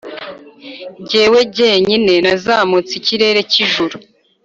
Jyewe jyenyine nazamutse ikirere cy’ijuru,